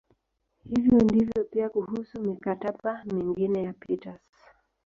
Hivyo ndivyo pia kuhusu "mikataba" mingine ya Peters.